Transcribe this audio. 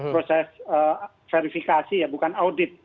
proses verifikasi ya bukan audit